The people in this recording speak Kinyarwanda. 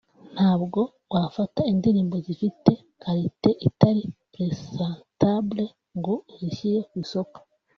ntabwo wafata indirimbo zifite quality itari presentable ngo uzishyire ku isoko